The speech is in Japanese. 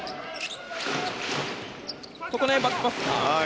ここのバックパス。